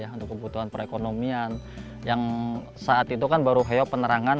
untuk kebutuhan perekonomian yang saat itu kan baru heo penerangan